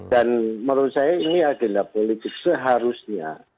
dan menurut saya ini agenda politik seharusnya